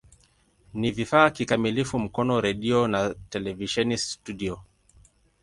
Ni vifaa kikamilifu Mkono redio na televisheni studio.